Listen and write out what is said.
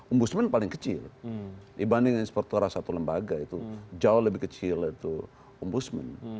om busman paling kecil dibanding inspektorat satu lembaga itu jauh lebih kecil itu om busman